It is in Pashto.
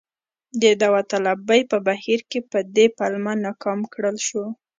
د داوطلبۍ په بهیر کې په دې پلمه ناکام کړل شو.